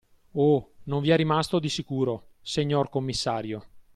Oh, non vi è rimasto di sicuro, señor commissario.